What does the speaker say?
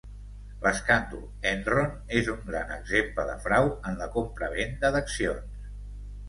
L'escàndol Enron és un gran exemple de frau en la compravenda d'accions.